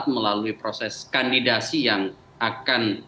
melalui proses kandidasi yang akan